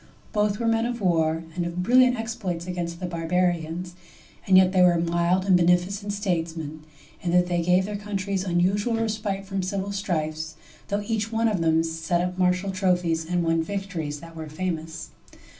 Both were men of war, and of brilliant exploits against the Barbarians, and yet they were mild and beneficent statesmen, in that they gave their coun tries unusual respite from civil strifes, though each one of them set up martial trophies and won victories that were famous.